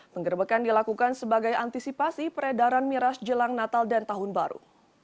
penggerbekan dilakukan sebagai antisipasi peredaran miras jelang natal dan tahun baru